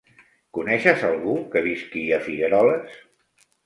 Coneixes algú que visqui a Figueroles?